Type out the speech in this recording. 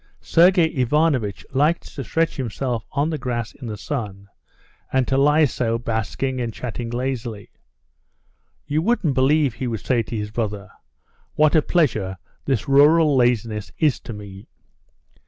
Sergey Ivanovitch liked to stretch himself on the grass in the sun, and to lie so, basking and chatting lazily. "You wouldn't believe," he would say to his brother, "what a pleasure this rural laziness is to me.